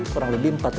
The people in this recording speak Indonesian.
kurang lebih empat